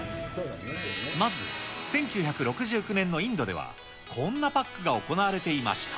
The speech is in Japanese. まず１９６９年のインドでは、こんなパックが行われていました。